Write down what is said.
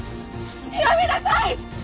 やめなさい！！